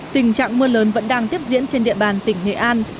tình trạng mưa lớn vẫn đang tiếp diễn trên địa bàn tỉnh nghệ an